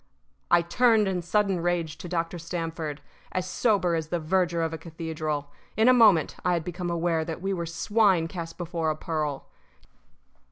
I turned in sudden rage to Dr. Stamford, as sober as the verger of a cathedral. In a moment I had become aware that we were swine cast before a pearl.